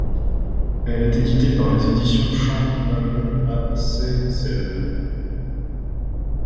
Elle est éditée par les éditions Champ Vallon à Seyssel.